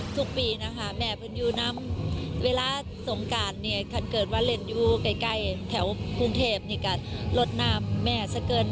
ทุกปีนะคะแม่พึ่งอยู่น้ำเวลาท้องการขันเกิดวัลเล่นอยู่ใกล้แถวภูมิเทพรถน้ำแม่เสมือน